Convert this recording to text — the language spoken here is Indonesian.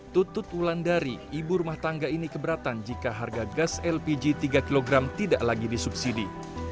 tutut wulandari ibu rumah tangga ini keberatan jika harga gas lpg tiga kg tidak lagi disubsidi